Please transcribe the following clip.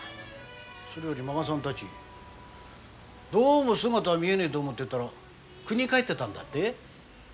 それより満賀さんたちどうも姿が見えねえと思ってたらくにへ帰ってたんだって？